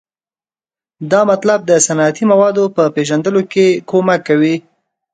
دا مطالب د صنعتي موادو په پیژندلو کې کومک کوي.